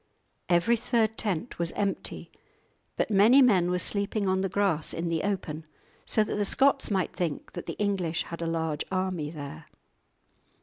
Every third tent was empty, but many men were sleeping on the grass in the open, so that the Scots might think that the English had a large army there.